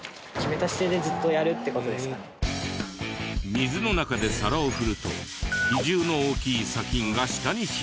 水の中で皿を振ると比重の大きい砂金が下に沈む。